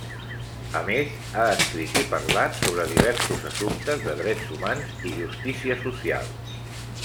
A més, ha escrit i parlat sobre diversos assumptes de drets humans i justícia social.